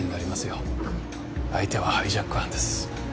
相手はハイジャック犯です。